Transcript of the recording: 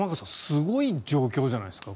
すごい状況じゃないですか？